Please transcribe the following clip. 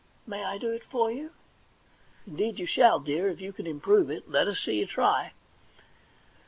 May I do it for you?' * Indeed you shall, dear, if you can improve it. Let us see you try.'